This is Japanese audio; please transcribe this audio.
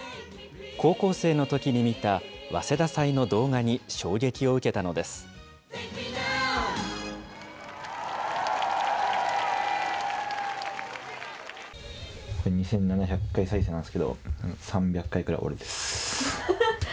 高校生のときに見た早稲田祭の動画に衝撃を受けたのです。